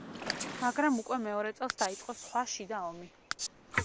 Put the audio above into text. მაგრამ უკვე მეორე წელს დაიწყო სხვა შიდა ომი.